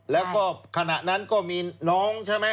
แล้วก็ขณะนั้นก็มีน้องใช่ไหม